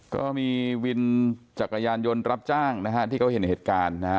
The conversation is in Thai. ก็มีวินจักรยานยนต์รับจ้างนะฮะที่เขาเห็นเหตุการณ์นะฮะ